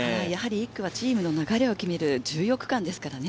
１区はチームの流れを決める重要区間ですからね。